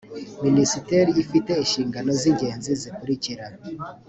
minisiteri ifite inshingano z ingenzi zikurikira